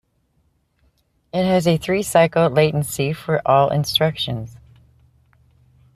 It has a three-cycle latency for all instructions.